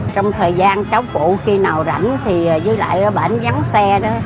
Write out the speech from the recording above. trong thời gian cháu phụ khi nào rảnh thì dưới lại bà ổng vắng xe đó